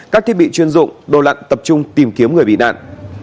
các thiết bị chuyên dụng đồ lặn tập trung tìm kiếm người bị nạn